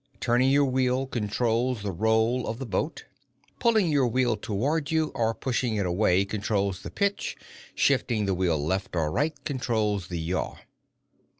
_ Turning your wheel controls the roll of the boat. Pulling your wheel toward you, or pushing it away, controls the pitch. _Shifting the wheel left, or right, controls the yaw.